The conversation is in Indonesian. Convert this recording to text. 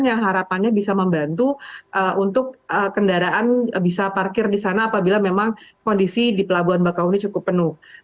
yang harapannya bisa membantu untuk kendaraan bisa parkir di sana apabila memang kondisi di pelabuhan bakahuni cukup penuh